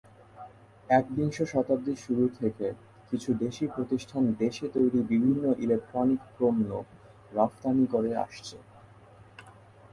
একবিংশ শতাব্দীর শুরু থেকে কিছু দেশি প্রতিষ্ঠান দেশে তৈরি বিভিন্ন ইলেক্ট্রনিক পণ্য রফতানি করে আসছে।